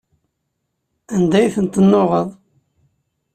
Anda ay tent-tennuɣeḍ?